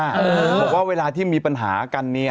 บอกว่าเวลาที่มีปัญหากัน